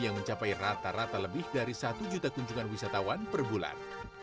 yang mencapai rata rata lebih dari satu juta kunjungan wisatawan per bulan